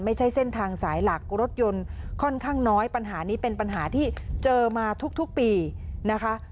ไม่ใช่เส้นทางสายหลักรถยนต์ค่อนข้างน้อยปัญหานี้เป็นปัญหาที่เจอมาทุกปีนะคะ